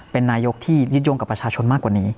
เป็นนายกที่ยึดโยงกับประชาชนมากกว่านี้